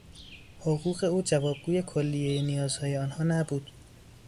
حقوق او جوابگوی کلیهی نیازهای آنها نبود.